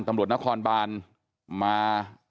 ตำรวจนครบานมา